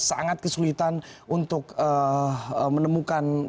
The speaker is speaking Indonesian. sangat kesulitan untuk menemukan